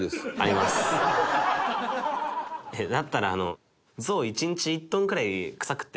だったら。